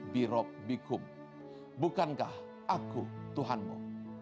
bukankah aku tuhanmu